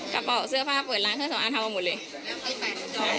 กระเป๋าเสื้อผ้าเปิดร้านเครื่องสำอางทำมาหมดเลย